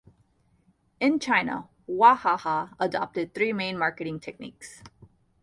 In China, Wahaha adopted three main marketing techniques.